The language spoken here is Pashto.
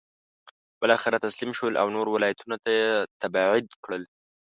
بالاخره تسلیم شول او نورو ولایتونو ته یې تبعید کړل.